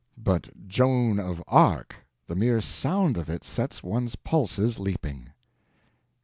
But, JOAN OF ARC! The mere sound of it sets one's pulses leaping.